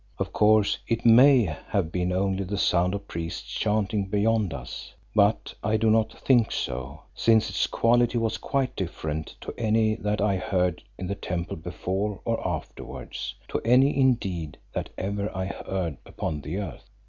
Of course it may have been only the sound of priests chanting beyond us, but I do not think so, since its quality was quite different to any that I heard in the temple before or afterwards: to any indeed that ever I heard upon the earth.